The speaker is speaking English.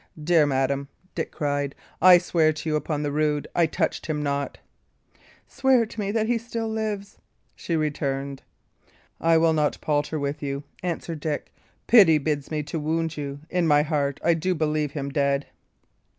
"Dear madam," Dick cried, "I swear to you upon the rood I touched him not." "Swear to me that he still lives," she returned. "I will not palter with you," answered Dick. "Pity bids me to wound you. In my heart I do believe him dead."